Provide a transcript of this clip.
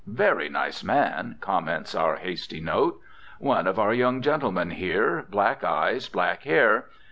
"Very nice man," comments our hasty note. "One of our young gentlemen here, black eyes, black hair."